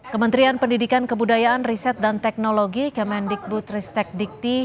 kementerian pendidikan kebudayaan riset dan teknologi kemendikbud ristek dikti